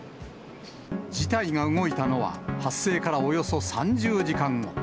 事態が動いたのは発生からおよそ３０時間後。